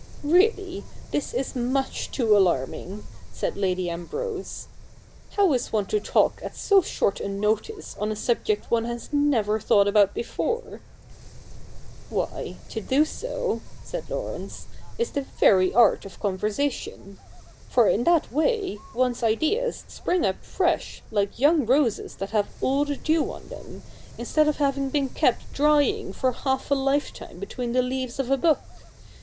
' Really, this is much too alarming,' said Lady Ambrose. CH III.] THE NEW REPUBLIC 19 * How is one to talk at so short a notice on a subject one has never thought about before ?'' Why, to do so,' said Laurence, ' is the very art of conversation ; for in that way, one's ideas spring up fresh Hke young roses that have all the dew^ on them, instead of having been kept drying for half a lifetime between the leaves of a book.